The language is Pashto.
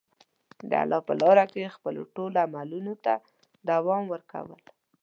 د الله په لاره کې خپلو ټولو عملونو ته دوام ورکول.